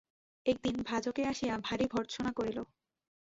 একদিন ভাজকে আসিয়া ভারি ভর্ৎসনা করিল।